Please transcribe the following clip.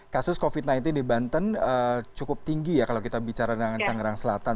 kasus covid sembilan belas di banten cukup tinggi ya kalau kita bicara dengan tangerang selatan